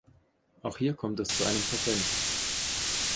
Auch hier kommt es zu einem Patent.